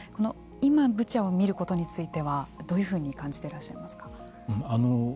今、ブチャを見ることについてはどういうふうに感じてらっしゃいますか。